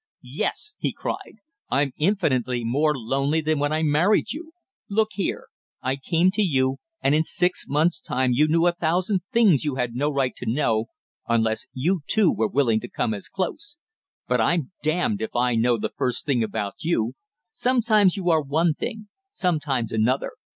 "Yes!" he cried. "I'm infinitely more lonely than when I married you! Look here; I came to you, and in six months' time you knew a thousand things you had no right to know, unless you, too, were willing to come as close! But I'm damned if I know the first thing about you sometimes you are one thing, sometimes another.